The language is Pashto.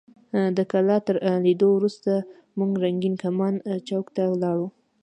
د کلا تر لیدو وروسته موږ رنګین کمان چوک ته لاړو.